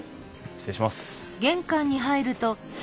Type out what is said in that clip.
失礼します。